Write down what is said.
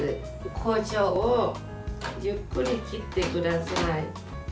こしょうをゆっくり切ってください。